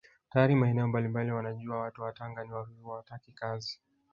Tayari maeneo mbalimbali wanajua watu wa Tanga ni wavivu hawataki kazi